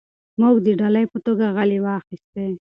موږ د ډالۍ په توګه غالۍ واخیستې.